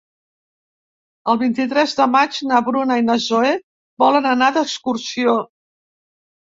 El vint-i-tres de maig na Bruna i na Zoè volen anar d'excursió.